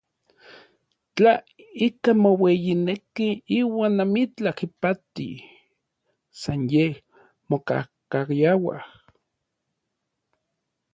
Tla ikaj moueyineki iuan amitlaj ipati, san yej mokajkayaua.